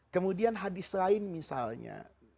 kemudian hadis lain misalnya